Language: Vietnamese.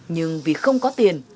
nhưng vì không có tiền